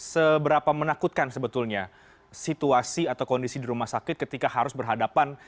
seberapa menakutkan sebetulnya situasi atau kondisi di rumah sakit ketika harus berhadapan